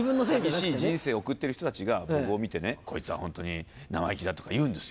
寂しい人生を送ってる人たちが僕を見て「こいつはホントに生意気だ」とか言うんですよ。